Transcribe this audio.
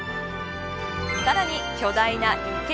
さらに巨大な池。